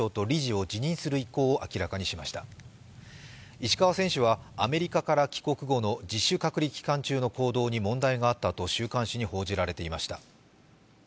石川選手はアメリカから帰国後の自主隔離期間中の行動に問題があったと週刊誌に報じられていました。